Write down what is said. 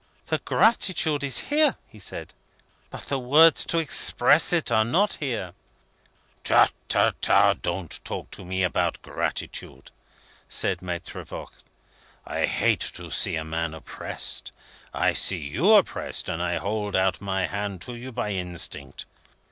"The gratitude is here," he said. "But the words to express it are not here." "Ta ta ta! Don't talk to me about gratitude!" said Maitre Voigt. "I hate to see a man oppressed. I see you oppressed, and I hold out my hand to you by instinct.